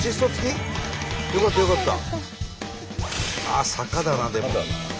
ああ坂だなでも。